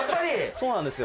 そうなんですよ。